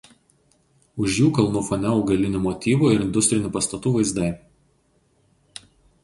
Už jų kalnų fone augalinių motyvų ir industrinių pastatų vaizdai.